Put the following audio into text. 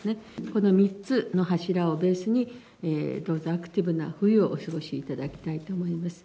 この３つの柱をベースに、どうぞアクティブな冬をお過ごしいただきたいと思います。